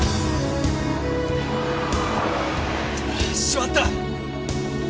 しまった！